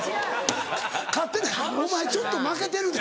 勝ってないお前ちょっと負けてるで。